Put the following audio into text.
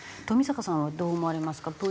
富坂さんはどう思われますか？